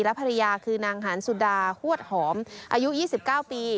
และภรรยาคือนางหานสุดาฮวดหอมอายุ๒๙ปี